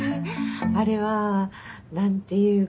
あれは何ていうか。